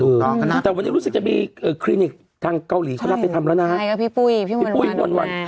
แต่อย่างตอนนี้รู้สึกจะมีคลินิคทางเกาหลีเขารับไปทำแล้วนะ